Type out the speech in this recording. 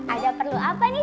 ada perlu apa nih